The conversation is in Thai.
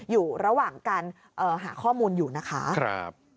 อยู่ระหว่างการหาข้อมูลอยู่นะคะ